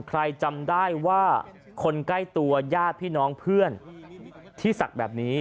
จำได้ว่าคนใกล้ตัวญาติพี่น้องเพื่อนที่ศักดิ์แบบนี้